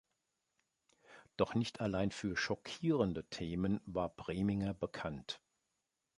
Doch nicht allein für "„schockierende“" Themen war Preminger bekannt.